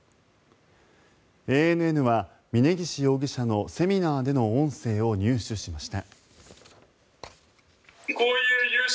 ＡＮＮは峯岸容疑者のセミナーでの音声を入手しました。